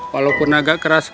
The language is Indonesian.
walaupun agak keras